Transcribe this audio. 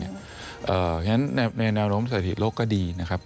เพราะฉะนั้นในแนวโน้มสถิติโลกก็ดีนะครับ